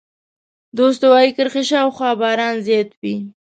د استوایي کرښې شاوخوا باران زیات وي.